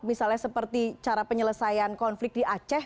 misalnya seperti cara penyelesaian konflik di aceh